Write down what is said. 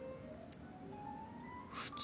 普通。